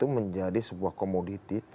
menjadi sebuah komoditi